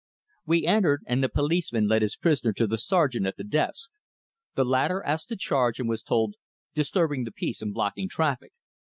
We entered, and the policeman led his prisoner to the sergeant at the desk. The latter asked the charge, and was told, "Disturbing the peace and blocking traffic."